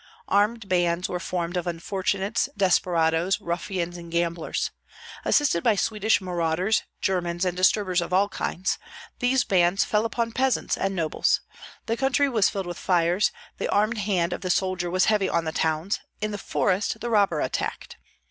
Armed bands were formed of unfortunates, desperadoes, ruffians, and gamblers. Assisted by Swedish marauders, Germans, and disturbers of all kinds, these bands fell upon peasants and nobles. The country was filled with fires; the armed hand of the soldier was heavy on the towns; in the forest the robber attacked.